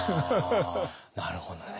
なるほどね。